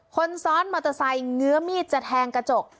คนซ้อนมอเตอร์ไซค์เงื้อมีดจะแทงกระจก